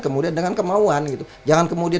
kemudian dengan kemauan gitu jangan kemudian